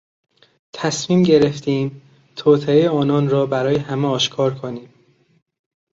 تصمیم گرفتیم توطئه آنان را برای همه آشکار کنیم.